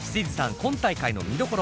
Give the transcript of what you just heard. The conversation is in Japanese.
今大会の見どころ